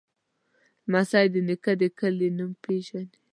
لمسی د نیکه د کلي نوم پیژني.